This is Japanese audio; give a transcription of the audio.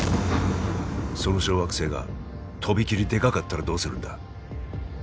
その小惑星がとびきりでかかったらどうするんだ？